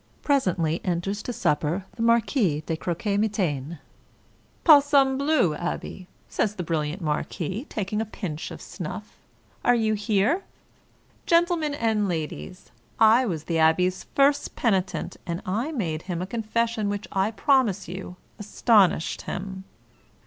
Presently enters to supper the Marquis de Croquemitaine. " Palsambleu, abbe! " says the brilliant marquis, taking a pinch of snuff, "are you here ? Gentlemen and ladies ! I was the abbe's first peni tent, and I made him a confession, which I promise you astonished him."